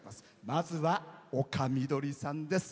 まずは丘みどりさんです。